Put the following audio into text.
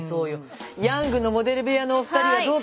ヤングのモデル部屋のお二人はどうかしら。